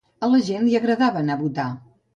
A la gent li agrada anar a votar.